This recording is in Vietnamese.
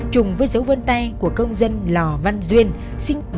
chung với dấu vân tay của công dân lò văn duyên sinh một nghìn chín trăm tám mươi chín